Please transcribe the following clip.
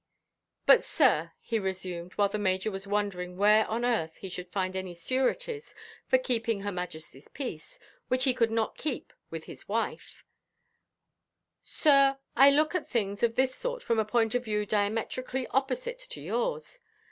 "But, sir," he resumed—while the Major was wondering where on earth he should find any sureties for keeping Her Majestyʼs peace, which he could not keep with his wife—"sir, I look at things of this sort from a point of view diametrically opposed to yours.